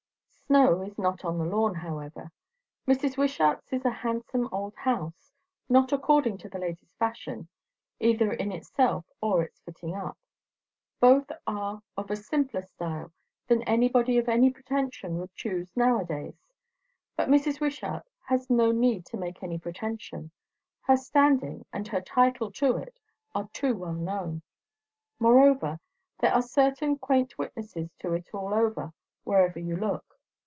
Snow is not on the lawn, however. Mrs. Wishart's is a handsome old house, not according to the latest fashion, either in itself or its fitting up; both are of a simpler style than anybody of any pretension would choose now a days; but Mrs. Wishart has no need to make any pretension; her standing and her title to it are too well known. Moreover, there are certain quain't witnesses to it all over, wherever you look.